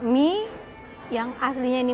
mie yang aslinya ini